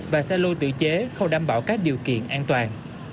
và xe lôi tự chế không đảm bảo các điều kiện an toàn